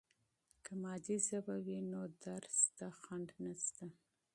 که مادي ژبه وي نو علم ته خنډ نسته.